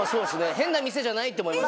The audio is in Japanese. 変な店じゃないって思いますよね。